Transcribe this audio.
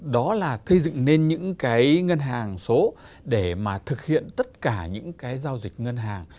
đó là thây dựng nên những ngân hàng số để thực hiện tất cả những giao dịch ngân hàng